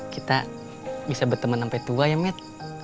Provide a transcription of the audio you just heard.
kita bisa berteman sampai tua ya met